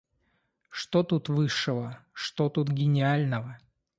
Что тут высшего, что тут гениального?